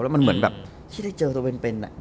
มันเหมือนแบบที่ได้เจอตัวเป็น